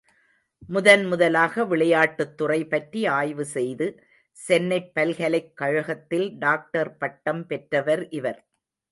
முதன்முதலாக விளையாட்டுத்துறை பற்றி ஆய்வு செய்து, சென்னைப் பல்கலைக் கழகத்தில் டாக்டர் பட்டம் பெற்றவர் இவர்.